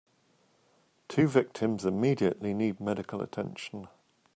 Two victims immediately need medical attention.